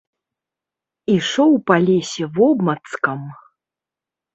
Ішоў па лесе вобмацкам.